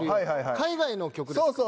海外の曲ですか？